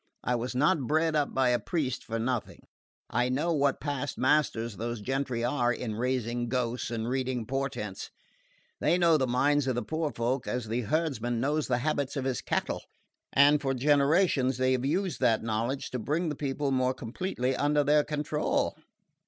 I was not bred up by a priest for nothing; I know what past masters those gentry are in raising ghosts and reading portents. They know the minds of the poor folk as the herdsman knows the habits of his cattle; and for generations they have used that knowledge to bring the people more completely under their control."